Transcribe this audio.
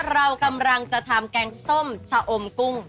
เรากำลังจะทำแกงส้มชะอมกุ้ง